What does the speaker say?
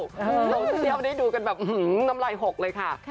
โซเซียลวันนี้ดูกันแบบหื้อน้ำไรหกเลยค่ะ